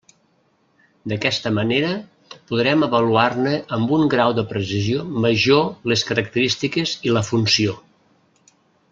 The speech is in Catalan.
D'aquesta manera podrem avaluar-ne amb un grau de precisió major les característiques i la funció.